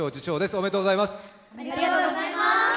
おめでとうございます。